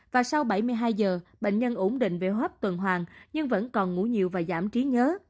và sau bảy mươi hai giờ bệnh nhân ổn định về hấp tuần hoàn nhưng vẫn còn ngủ nhiều và giảm trí nhớ